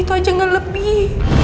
itu aja gak lebih